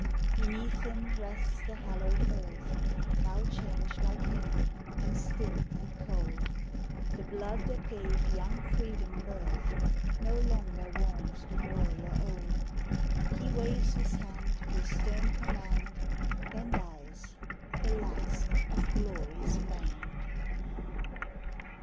Beneath him rests the hallow'd earth, Now changed like him, and still and cold; The blood that gave young freedom birth No longer warms the warrior old; He waves his hand with stern command, Then dies, the last of Glory's band.